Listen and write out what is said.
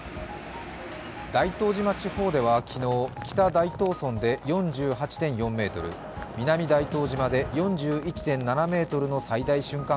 大東島地方では昨日北大東村で４８．４メートル、南大東島で４１．７ｍの最大瞬間